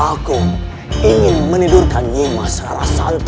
aku ingin menidurkan yema secara santai